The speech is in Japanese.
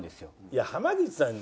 いや濱口さん